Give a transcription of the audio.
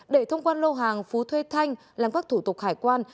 để thông quan lô hàng phú thuê thanh làm các thủ tục hải quan